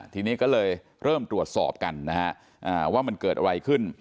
ทีนี้ก็เลยเริ่มตรวจสอบกันนะฮะว่ามันเกิดอะไรขึ้น